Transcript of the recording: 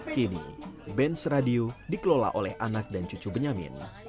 kini bench radio dikelola oleh anak dan cucu benyamin